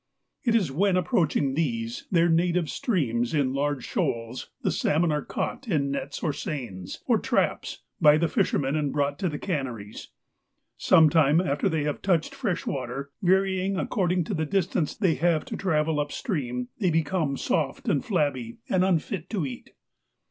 It is when approaching these, their native, streams, in large shoals, the salmon are caught in nets or seines, or trajjs, by the fishermen, and brought to the canneries. Some time after they have touched fresh water, varying according to the distance they have to travel up stream, they become soft and flabby, and unfit to eat.